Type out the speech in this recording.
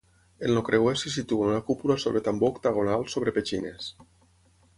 En el creuer se situa una cúpula sobre tambor octagonal sobre petxines.